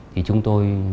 thì chúng tôi